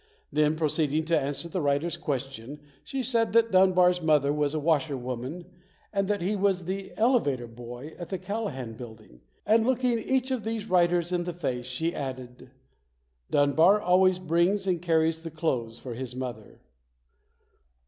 Then proceeding to answer the writer's questions she said that Dunbar's mother was a washerwoman and that he was the elevator boy at the Callahan Building; and looking each of these writers in the face, she added : "Dunbar always brings and carries the clothes for his mother".